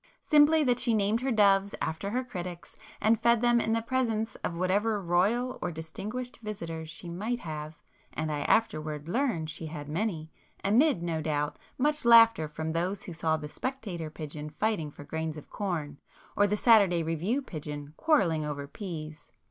Simply that she named her doves after her critics, and fed them in the presence of whatever royal or distinguished visitors she might have (and I afterwards learned she had many) amid, no doubt, much laughter from those who saw the 'Spectator' pigeon fighting for grains of corn, or the 'Saturday Review' pigeon quarrelling over peas!